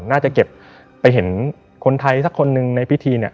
น่าจะเก็บไปเห็นคนไทยสักคนหนึ่งในพิธีเนี่ย